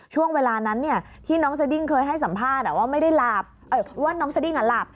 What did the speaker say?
ช่วงเวลานั้นที่น้องสดิ้งเคยให้สัมภาษณ์ว่าไม่ได้หลับ